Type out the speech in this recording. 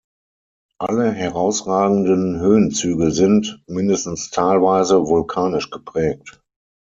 Alle herausragenden Höhenzüge sind, mindestens teilweise, vulkanisch geprägt.